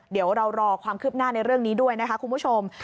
เดี๋ยวเรารอความคืบหน้าในเรื่องนี้ด้วยนะคะคุณผู้ชม